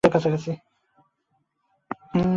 তাঁহার স্ত্রী গহনা বিক্রয় করিয়া টাকা সংগ্রহ করিলেন।